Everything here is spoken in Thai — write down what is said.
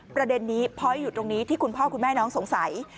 ประเด็นนี้พอยต์อยู่ตรงนี้ที่คุณพ่อคุณแม่น้องสงสัย